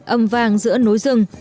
âm vàng giữa nối rừng